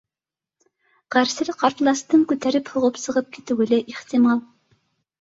Ғәрсел кнртластың күтәреп һуғып сығып китеүе лә ихтимал